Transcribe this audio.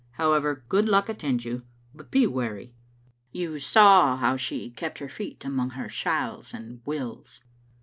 However, good luck attend you. But be wary. You saw how she kept her feet among her shalls and wills?